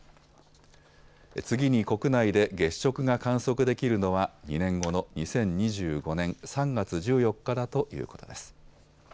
次に国内で月食が観測できるのは２年後の２０２５年３月１４日だということです。